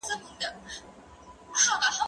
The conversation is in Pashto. هغه وويل چي پاکوالي مهم دی.